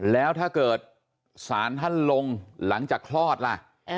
แล้วถ้าเกิดศาลท่านลงหลังจากคลอดล่ะ